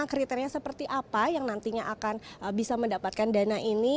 kriteria seperti apa yang nantinya akan bisa mendapatkan dana ini